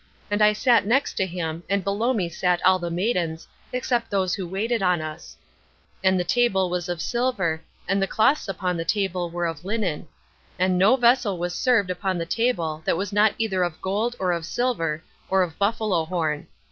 And I sat next to him, and below me sat all the maidens, except those who waited on us. And the table was of silver, and the cloths upon the table were of linen. And no vessel was served upon the table that was not either of gold or of silver or of buffalo horn.